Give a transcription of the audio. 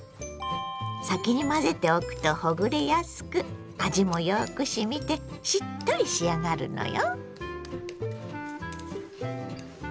先に混ぜておくとほぐれやすく味もよくしみてしっとり仕上がるのよ。